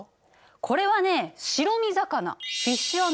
これはね白身魚。